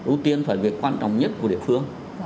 ưu tiên phải việc quan trọng nhất của địa phương